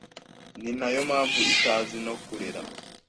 ni nayo mpamvu itazi no kurera